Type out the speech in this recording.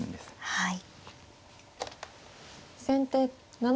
はい。